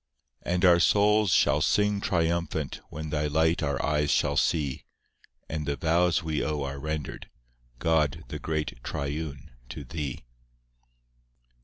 IV And our souls shall sing triumphant When Thy light our eyes shall see, And the vows we owe are rendered, God, the great Triune, to Thee.